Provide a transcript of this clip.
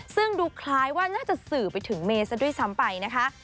ซึ่งดูคล้ายว่าน่าจะสื่อไปถึงเมย์ซะด้วยซ้ำไปนะคะ